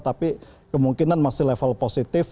tapi kemungkinan masih level positif